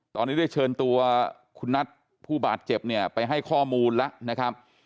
ตอนนี้ได้เชิญตัวคุณนัทผู้บาดเจ็บเนี่ยไปให้ข้อมูลแล้วนะครับ